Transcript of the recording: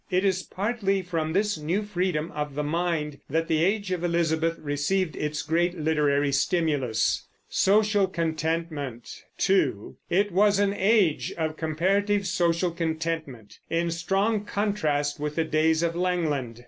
It is partly from this new freedom of the mind that the Age of Elizabeth received its great literary stimulus. 2. It was an age of comparative social contentment, in strong contrast with the days of Langland.